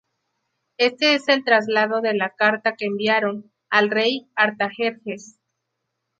Este es el traslado de la carta que enviaron: Al rey Artajerjes: